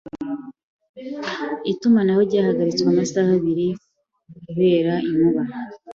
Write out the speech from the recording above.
Itumanaho ryahagaritswe amasaha abiri kubera inkuba.